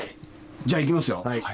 じゃあ、いきますよ。